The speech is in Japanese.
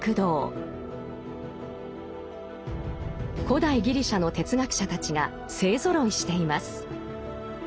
古代ギリシャの哲学者たちが勢ぞろいしています。